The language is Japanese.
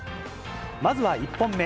まずは１本目。